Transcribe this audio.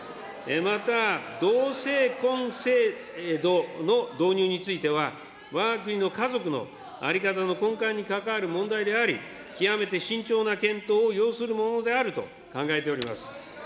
また同性婚制度の導入については、わが国の家族の在り方の根幹に関わる問題であり、極めて慎重な検討を要するものであると考えております。